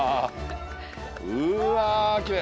うわきれい。